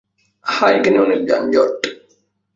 হ্যাঁ, এখানে অনেক যানজট।